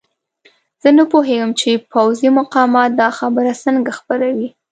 زه نه پوهېږم چې پوځي مقامات دا خبره څنګه خپروي.